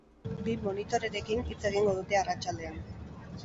Bi monitorerekin hitz egingo dute arratsaldean.